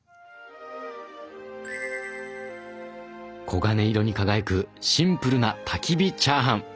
黄金色に輝くシンプルなたきび火チャーハン！